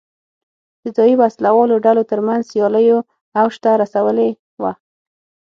د ځايي وسله والو ډلو ترمنځ سیالیو اوج ته رسولې وه.